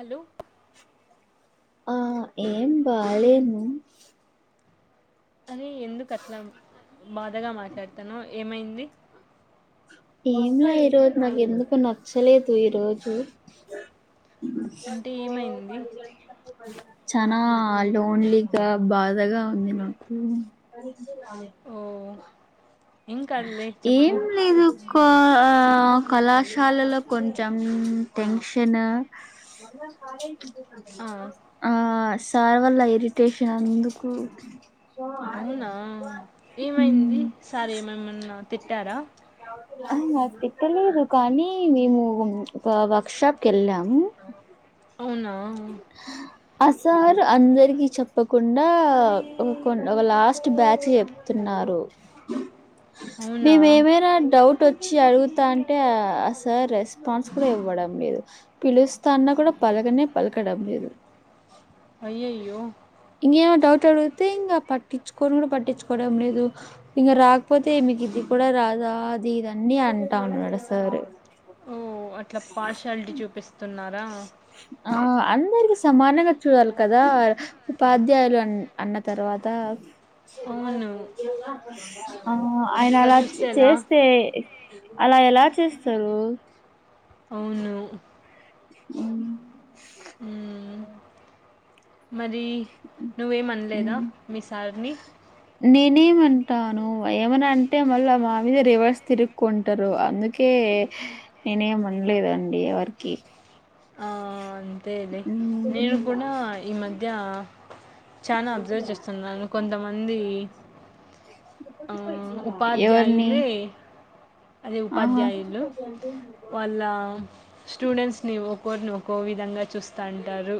అలో ఆ ఏం బాలేను అని ఎందుకట్లమ్ బాధగా మాట్లాడుతునవ్ ఏమైంది ఏంలే ఈరోజ్ నాక్ ఎందుకో నచ్చలేదు ఈరోజు అంటే ఏమైంది చనా లోన్ లీగా బాధగా ఉంది నాకు ఓ ఏం కాదులే చెప్పు ఏమ్ లేదు క అ ఆఆ కళాశాలలో కొంచమ్ టెన్ షను ఆ ఆ సార్ వల్ల ఇరిటేషన్ అందుకు ఔనా మ్ ఏమైంది సార్ ఏమన్ మన్నా తిట్టారా అహ్ అ తిట్టలేదు కానీ మేము వన్ ఒక వర్క్ షాప్ కెళ్ళాము అవునా తార్ అందరికి చెప్పకుండా ఒకొన్ ఒక లాస్ట్ బ్యాచ్ చెప్తున్నారు అవునా నీవ్ వేవైన డౌటో ఛీ అరుగుతా అంటే ఆ సార్ రెస్ పంస్ కుడ ఇవ్వడం లేదు పిలుస్త అన్నా కూడా పలగనే పలకడం లేదు అయ్యయ్యో ఇంకేమో డౌట్ అడుగుతే ఇంగ పట్టించుకోను కూడా పట్టించుకోవడం లేదు ఇంగ రాకపోతే ఇది కూడా రాదా అది ఇదన్నీ అంటాన్నడు సారు ఓ అట్లా పార్షాలిటీ చూపిస్తున్నారా ఆ అందరికి సమానంగా చూడాలి కదా ఉపాధ్యాయులు అ అన్న తర్వ తా అవును ఆ ఆయన అట్లా అలా చే చూస్తే ఎలా చేస్తే అలా ఎలా చేస్తారు అవును ఉమ్మ్ ఉమ్మ్ మరి నువ్వేం అనలేదా ఉమ్. మీ సార్ ని రాను ఏమన అంటే మళ్ళా మా మీద రివర్స్ తిరుక్ంటారు అందుకే నేనేమనలేదండి ఎవరికి అంతెలె నేను కూడ ఈ మధ్య చనా అబ్జర్వ్ చేస్తున్నాను కొంతమంది ఆ ఎవరిని ఉపాధ్యాయులే అదే ఆహా ఉపాధ్యాయులు వాళ్ళ స్టూడెంట్స్ని ఒక్కొరిని ఒక్కో విధంగా చూస్తంటారు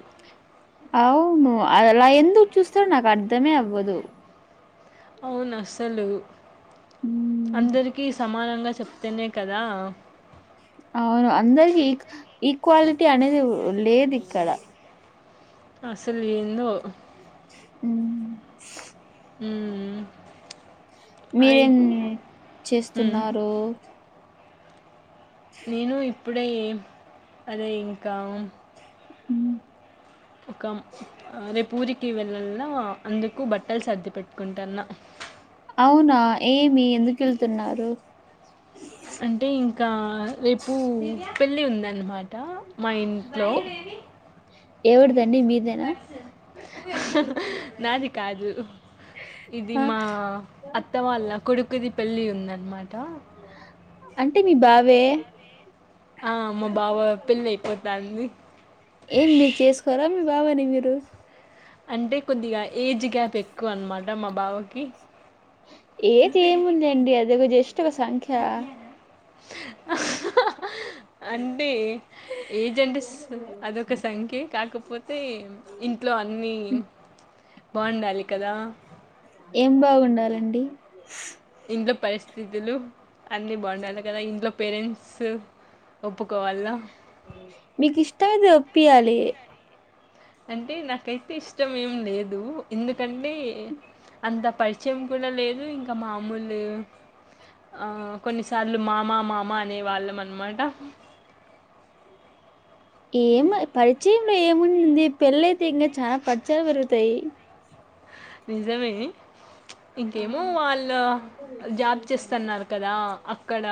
అవును అ అలా ఎందుకు చూస్తారో నాకు అర్ధమే అవ్వదు అవును అస్సలు మ్మ్ అందరికీ సమానంగా చెప్తేనే క దా అవును అందరికి ఈక్ ఈక్వాలిటీ అనేది ఉ లేదు ఇక్కడ అసలు ఎందో ఉమ్ ఉమ్ మీరేం హ్మ్. చేస్తున్నారు నేను ఇప్పుడే ఎం అదే ఇంకా ఉమ్ ఒకమ్ రేపు ఊరికి వెళ్ళన అందుకు బట్టలు సర్ది పెట్టుకుంటాన్న అవునా ఏమి ఎందుకెల్తున్నారు అంటే ఇంకా రేపు పెళ్ళి ఉందన్నమాట మా ఇం ట్లో ఎవరిదండి మీదేనా నాది కాదు ఇది ఆ మా అత్త వాళ్ళ కొడుకుది పెళ్లిి ఉందన్నమాట అంటే మీ బావే ఆ మా బావ పెళ్లి అయిపోతంది ఏం మీరు చేసుకోరా మీ బావ ని మీరు అంటే కొద్దిగా ఏజ్ గ్యాప్ ఎక్కువ అన్నమాట మా బావకి ఏజ్ ఏముందండి అదొగ జస్ట్ ఒక సంఖ్య అంటే ఏజ్ అంటే స్స్ అదొక సంఖ్యే కాకపోతే ఇంట్లో అన్ని బాగుండాలి కదా ఏం బాగుండాలండి ఇంట్లో పరిస్థితులు అన్ని బాగుండాలి కదా ఇంట్లో పేరెంట్స్ ఒప్పుకోవాల్ల మీకు ఇష్టమైతే ఒప్పియాలి అంటే నాకైతే ఇష్టం ఏం లేదు ఎందుకంటే అంత పరిచయం కూడా లేదు ఇంక మామూల్ ఆ కొన్నిసార్లు మామ మామ అనే వాళ్ళం అన్మాట ఏమ్ పరిచయంలో ఏముండింది పెళ్లైతే ఇంగ చాన పరిచయలు పెరుగుతయ్ నిజమే ఇంకేమో వాళ్ళు జాబ్ చేస్తన్నారు కదా అక్కడ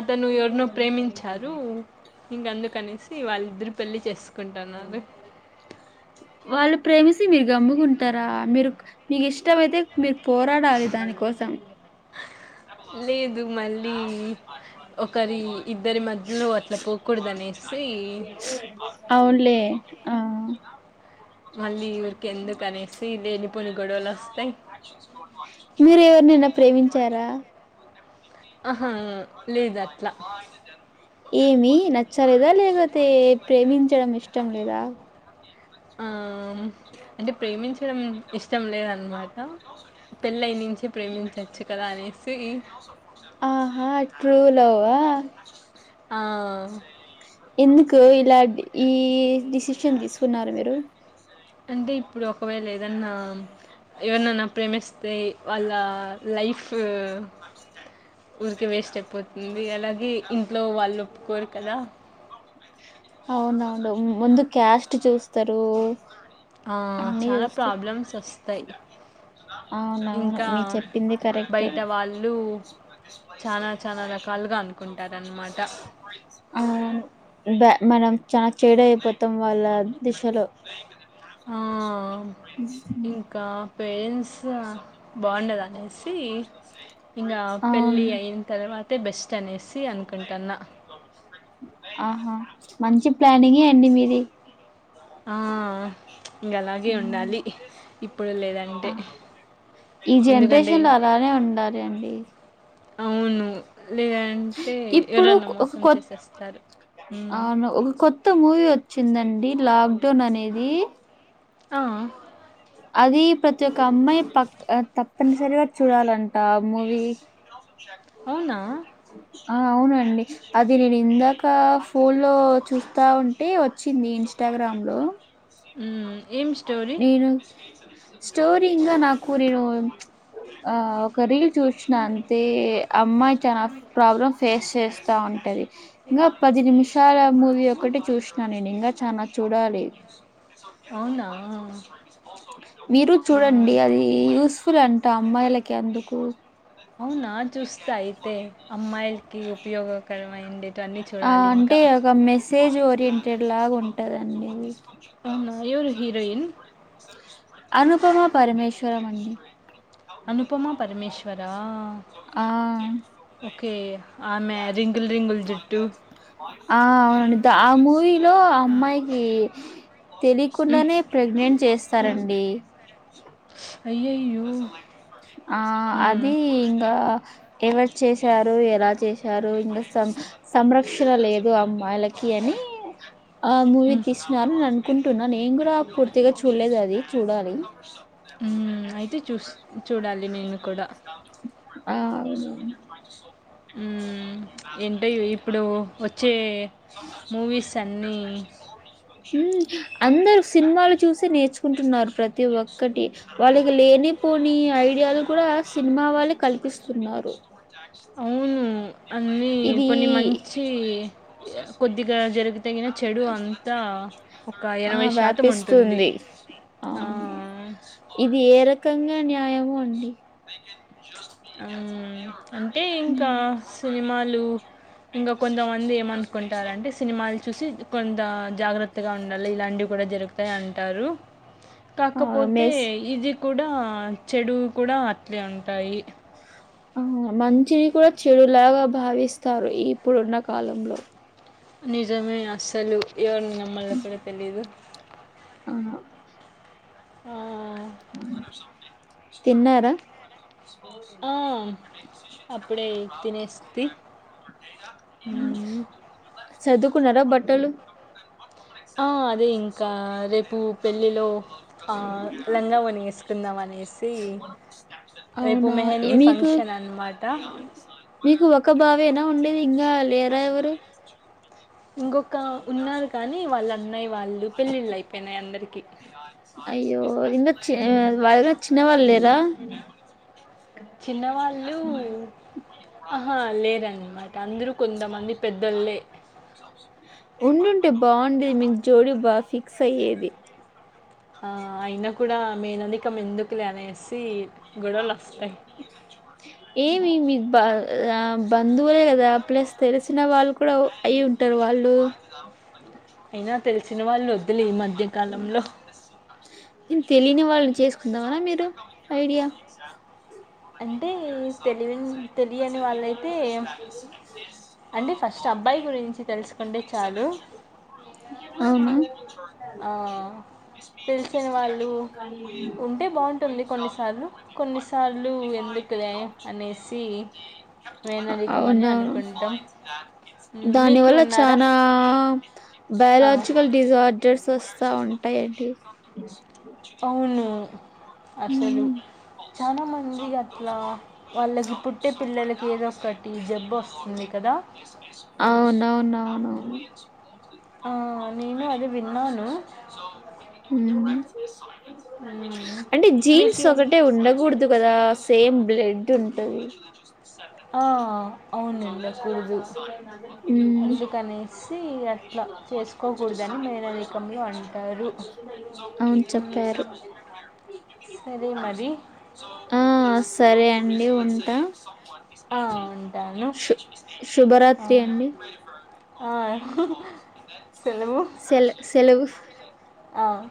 అతను ఎవర్నో ప్రేమించ్చారు ఇంగ అందుకనేసి వాళ్ళు ఇద్దరు పెళ్లి చేసుకుంటన్నారు వాళ్ళు ప్రే తి మీరు గమ్ముగుంటరా మీరు మీకు ఇష్టమైతే మీరు పోరాడాలి దాని కోసం లేదు మళ్ళీ ఒకరి ఇద్దరి మధ్యలో అట్ల పోకూడదనే అవున్లే ఆ మళ్ళీ ఊరికెందుకనేసి లేనిపోని గొడవలొస్తాయి. మీరు ఎవర్నైన ప్రేమించార ఆహా! లేదట్లా. ఏమి నచ్చలేదా లేగోతే ప్రేమించడం ఇష్టం లేదా ఆ అంటె ప్రేమించడం ఇష్టం లేదన్మాట పెళ్ళై నుంచి ప్రేమించోచ్చు కదా అనేసి ఆహా ట్రూ లవ్వా ఆ ఎందుకు ఇలా డ్ ఈ డిసిషన్ తీస్కున్నారు మీరు అంటె ఇప్పుడు ఒకవేళ ఏదన్నా ఎవర్నన్నా ప్రేమిస్తే వాళ్ళ లైఫ్ ఊరికే వేస్ట్ అయ్పోతుంది అలాగే ఇంట్లో వాళ్ళు ఒప్పుకోరు కదా అవునవును ముందు క్యాస్ట్ చూస్తరు ఆ! అన్ని చాలా చుస్ ప్రాబ్లమ్స్ వస్తాయి. అవునవును ఇంకా మీరు చెప్పింది కరెక్టే బయట వాళ్ళు చాలా చాలా రకాలుగా అనుకుంటారనమాట. అవును బ మనం చాన్ చేడైపోతం వాళ్ళ దిశలో ఆ ఉహు ఇంకా పేరెంట్స్ గ బాగుండదనేసి ఇగా అవును పెళ్ళి అయిన తర్వా తె బెస్ట్ అనేసి అన్కుంటాన్నా ఆహా మంచి ప్లానింగే అండి మీది ఆ, ఇంక అలాగే ఉండాలి ఇప్పుడు లేదంటే ఆ ఈ ఎందుకంటే జన్రేషన్ లో అలానే ఉండాలి అండి అవును లేదంటే ఇప్పుడు ఎవరన్న ఒక మోసం కొత్త చేసేస్తారు ఉమ్. అవును ఒక కొత్త మూవీ ఒచ్చిందండి లాక్డౌన్ అనేది ఆ, అది ప్రతి ఒక్క అమ్మాయి పక్ అ తప్పనిసరిగా చూడాలంట ఆ మూవీ అవునా ఆ ఆ అవునండి అది నేను ఇందాక ఫోన్ లో చూస్తా ఉంటే వచ్చింది ఇంస్టాగ గ్రాంలో మ్మ్ ఎం స్ నేను స్టోరీ ఇంగ నాకు నేను ఆ ఒక రీల్ చూశ్నంతే అమ్మాయ్ చాన ప్రాబ్లం ఫేస్ చేస్తా ఉంటది ఇంగ పది నిమిషాల మూవీ ఒక్కటి చూష్ణ నేను ఇంగ చనా చూడాలి అవునా మీరు ఆ. చూడండి అదీ యూస్ఫుల్ అన్ అంటె అమ్మాయిలకి అందుకు అవునా చూస్త అయితే అమ్మాయిల్కి ఉపయోగకరం అయిండ్ ఆ అంటే ఒక మెసేజ్ ఓరియంటెడ్ లాగుంటదండి అవునా? ఎవరు హీరోయిన్? అనుపమా పరమేశ్వరమండి అనుపమ పరమేశ్వరా ఆ ఓకే. ఆమె రింగుల్ రింగుల్ జుట్టు ఆ అవునండి దా ఆ మూవీ లో అమ్మాయికి హ్మ్. తెలికుండానే ప్రెగ్నెంట్ చేస్ సరండి అయ్యయ్యో! ఆ హ్మ్. అదీ ఇంక ఎవరు చేశారు ఎలా చేశారు ఇంకా సం-సంరక్షణ లేదు అమ్మాయిలకి అనీ ఆ మూవీ హ్మ్. తీసున్నారు నేను అనుకుంటున్నా నేను కూడా పూర్తిగా చూడలేదు అది చూడాలి హ్మ్. అయితే చుస్ చూడాలి నేను కూడా. ఆవును ఉ మ్ మూవీస్ అన్నీ ఉ మ్ అందరు సిన్మలు చూసి నేర్చుకుంటున్నారు ప్రతి ఒక్కటి వాళ్ళకి లేని లేని పోని ఐడియాలు కూడా సినిమా వాళ్ళె కల్పిస్తున్నారు అవును. అన్నీ ఇది కొన్ని మంచీ కొద్దిగా జ రిగితే గిన చెడు అంతా ఒక ఆ! ఎనభై శాతం ఉంటుంది వ్యాపిస్తుంది. ఆ! అవును ఇది ఏ రకంగా న్యాయము అండి హ్మ్. మ్ ఇంగ కొంతమంది ఏమనుకుంటారంటే సినిమాలు చూసి కొంతా జాగ్రత్తగా ఉండాలి ఇలాంటివి కూడా జరుగుతాయి అంటారు అవును. కాకపోతే మెస్ ఇది కుడా చెడు కుడా అట్లే ఉంటాయి ఆ మంచిని కూడా చెడులాగా భావిస్తారు ఇప్పుడున్న కాలంలో నిజమే అస్సలు ఎవరిని నమ్మల్లో కూడా తెలీదు అహ ఆ తిన్నారా ఆ! అప్పుడే తినేస్తి. హ్మ్. సర్దుకున్నారా బట్టలు ఆ అదే ఇంకా రేపు పెళ్ళిలో ఆ లంగా ఓని వేసుకుందాం అనేసి రేపు అవునా ఏ మెహందీ మీకు ఫంక్షన్ అనమాట. మీకు ఒక బావేనా ఉండేది ఇంగా లేరా ఎవరు ఇంకొక ఉన్నారు కానీ వాళ్ళ అన్నయ్య వాళ్ళు పెళ్ళిళ్ళయిపోయినాయి అందరికీ. అయ్యో వదినచే వదినకు చిన్న వాళ్ళు లేరా చిన్న వాళ్ళూ కొంతమంది పెద్దోళ్ళే. ఉండుంటే బాగుండే మీకు జోడి బాగా ఫిక్స్ అయ్యేది ఆ అయిన కూడా మేననికం ఎందుకులే అనేసి గొడవలొస్తాయి. ఏ ఎవం బ ఆ బంధువులే కదా ప్లస్ తెలిసిన వాళ్ళు కూడా అయి ఉంటారు వాళ్ళు ఉ సినవాలు వద్ తెలియని వాళ్ళని చేస్కుందాంమ మీరు ఐడియ అన్ టే తెలివిన్ తెలియని వాళ్ళయితే అండె ఫస్ట్ అబ్బాయి గురిన్ రించి తెలుసుకుంటే చాలు అవునా తెల్సిన వాళ్ళు ఉంటే బావుంటుంది కొన్నిసార్లు కొన్నిసార్లు ఎందుకు లే అనేసి మేనరికం అని అనుకుంటం. దాని వల్ల చానా ఆ, బయాలజికల్ డిజాడ్ డ్స్ వస్తా ఉంటయండి. అవును. అసలు చాలా మంది అట్లా వాళ్ళకి పుట్టే పిల్లలకి ఉమ్ ఏదో ఒకటి జబ్బు వస్తుంది కదా అవునవునవునవున్ ఆ, నేను అది విన్నాను మ్ మ్ అంటే జీన్స్ ఒకటే ఉండకూడదు గదా సేమ్ బ్లడుంటది. ఆ, అవును ఉమ్ ఉండకూడదు అందుకనేసి అట్లా చేసుకోకూడదని మేనరికంలో అంటారు అవును మ్మ్. చెప్పారు. సరే మరి ఆ సరే అండి ఉంట. ఆ, ఉంటాను శు ఆ, శుభరాత్రి అండి. ఆ, సెలవు సెల్ సెలవు ఆ.